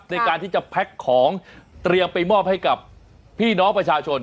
ในการที่จะแพ็คของเตรียมไปมอบให้กับพี่น้องประชาชน